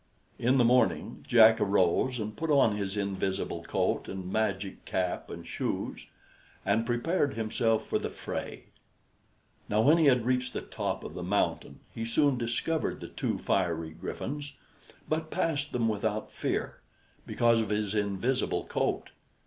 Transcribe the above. In the morning Jack arose and put on his invisible coat and magic cap and shoes, and prepared himself for the fray. Now, when he had reached the top of the mountain he soon discovered the two fiery griffins, but passed them without fear, because of his invisible coat.